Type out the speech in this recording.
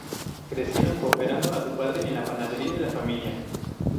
Crecieron cooperando a su padre en la panadería de la familia.